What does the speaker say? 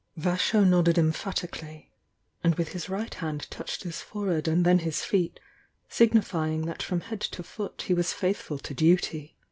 Vasho nodded emphatically, and with his right hand touched his forehead and then his feet, signify ing that from head to foot he was faithful to duty.